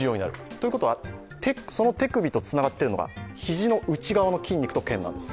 ということその手首とつながっているのが肘の内側のけんなんです。